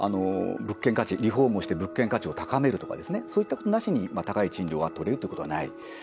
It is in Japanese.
リフォームをして物件価値を高めるですとかねそういったことなしに高い賃料が取れるっていうことはない。